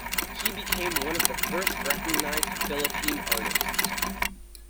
He became one of the first recognized Philippine artists.